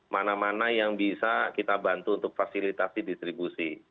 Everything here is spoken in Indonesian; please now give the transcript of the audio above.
mana mana yang bisa kita bantu untuk fasilitasi distribusi